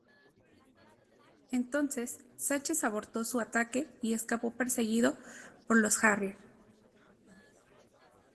Entonces, Sánchez abortó su ataque y escapó perseguido por los Harrier.